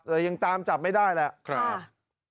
ยังตามจับไม่ได้แหละครับ